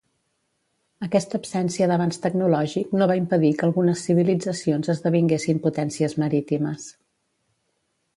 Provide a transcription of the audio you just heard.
Aquesta absència d'avanç tecnològic no va impedir que algunes civilitzacions esdevinguessin potències marítimes.